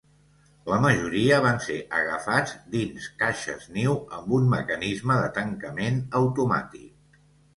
La majoria van ser agafats dins caixes niu amb un mecanisme de tancament automàtic.